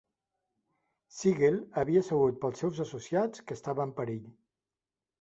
Siegel havia sabut pels seus associats que estava en perill.